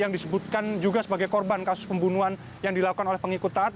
yang disebutkan juga sebagai korban kasus pembunuhan yang dilakukan oleh pengikut taat